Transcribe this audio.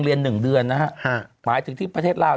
มีไงส่วนอ่านด้วย